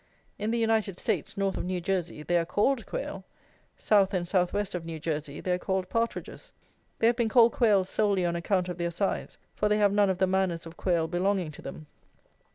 In the United States, north of New Jersey, they are called quail: south and south west of New Jersey they are called partridges. They have been called quail solely on account of their size; for they have none of the manners of quail belonging to them.